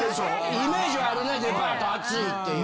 イメージあるねデパート暑いっていう。